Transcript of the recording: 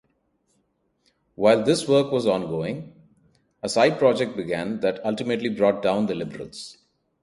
While this work was ongoing, a side-project began that ultimately brought down the Liberals.